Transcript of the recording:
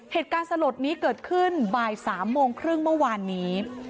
เหตุการณ์สลดนี้เกิดขึ้นบ่าย๓โมงครึ่งเมื่อวานนี้